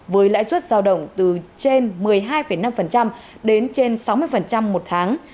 với lãi suất giao động từ trên một mươi hai năm đến trên sáu mươi một tháng